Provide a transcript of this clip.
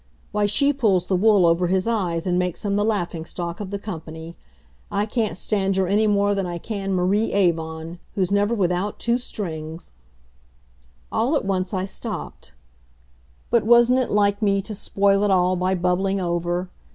Why, she pulls the wool over his eyes and makes him the laughing stock of the company. I can't stand her any more than I can Marie Avon, who's never without two strings " All at once I stopped. But wasn't it like me to spoil it all by bubbling over?